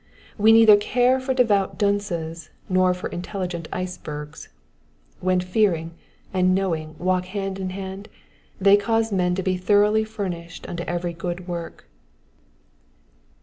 We neither care for devout dunces nor for intellectual icebergs. When fearing, and knovring walk hand in hand they cause men to be thoroughly furnished unto every good work.